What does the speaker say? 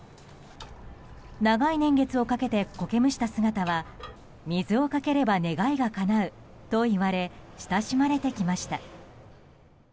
長い年月をかけて苔むした姿は水をかければ願いがかなうといわれ親しまれてきました。